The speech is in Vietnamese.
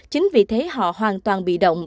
chính vì thế họ hoàn toàn bị động